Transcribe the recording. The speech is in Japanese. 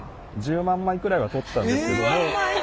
１０万枚くらいは撮ったんですけども。